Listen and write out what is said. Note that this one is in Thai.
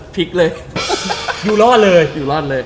พลิกเลยอยู่รอดเลย